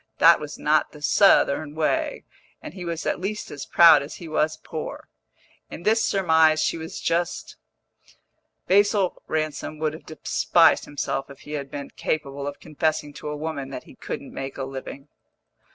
That was not the Southern way, and he was at least as proud as he was poor. In this surmise she was just; Basil Ransom would have despised himself if he had been capable of confessing to a woman that he couldn't make a living.